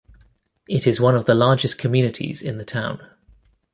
It is one of the largest communities in the town.